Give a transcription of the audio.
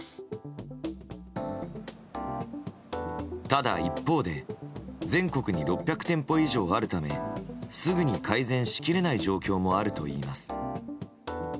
ただ一方で全国に６００店舗以上あるためすぐに改善しきれない状況もあるといいます。